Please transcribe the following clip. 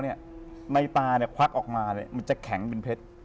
ในตาควักออกมามันจะแข็งเป็นเพชร